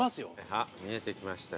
あっ見えてきましたね。